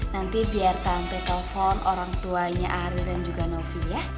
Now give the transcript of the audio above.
nanti biar tante telpon orang tuanya ari dan juga novi ya